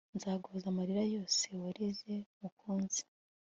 nzaguhoza amarira yose warize mukunzi